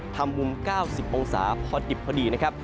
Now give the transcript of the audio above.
มุม๙๐องศาพอดิบพอดีนะครับ